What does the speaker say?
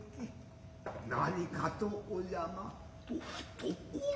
何かとお邪魔。